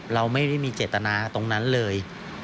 เราไม่ได้มีเจตนาตรงนั้นเลย